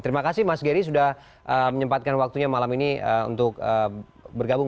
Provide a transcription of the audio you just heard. terima kasih mas gery sudah menyempatkan waktunya malam ini untuk bergabung